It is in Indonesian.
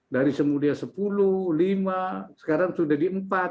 dari semudia sepuluh lima sekarang sudah di empat